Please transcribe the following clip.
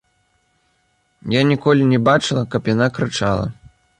Я ніколі не бачыла, каб яна крычала.